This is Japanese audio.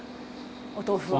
お豆腐は。